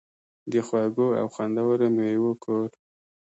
د خوږو او خوندورو میوو کور.